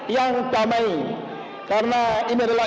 yang tamai karena onya